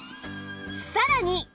さらに